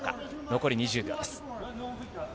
残り２０秒です。